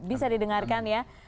bisa didengarkan ya